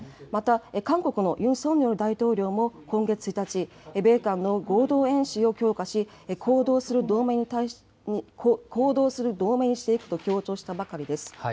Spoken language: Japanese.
また韓国のユン・ソンニョル大統領も、今月１日、米韓の合同演習を強化し、行動する同盟にしていくと強調したばかりです。